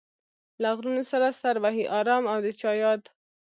له غرونو سره سر وهي ارام او د چا ياد